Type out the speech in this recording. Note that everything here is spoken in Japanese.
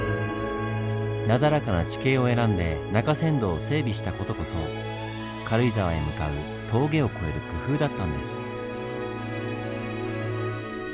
なだらかな地形を選んで中山道を整備した事こそ軽井沢へ向かう峠を越える工夫だったんです。